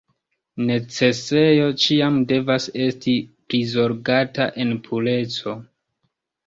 Necesejo ĉiam devas esti prizorgata en pureco.